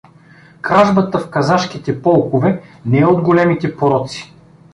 Кражбата в казашките полкове не е от големите пороци.